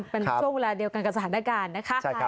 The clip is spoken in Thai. เป็นช่วงเวลาเดียวกันกับสถานการณ์นะคะ